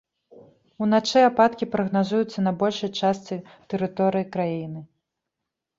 Уначы ападкі прагназуюцца на большай частцы тэрыторыі краіны.